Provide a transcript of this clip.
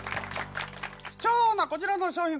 貴重なこちらの商品